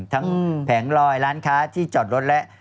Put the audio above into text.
แผงลอยร้านค้าที่จอดรถและ